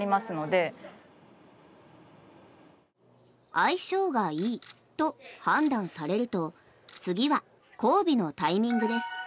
相性がいいと判断されると次は交尾のタイミングです。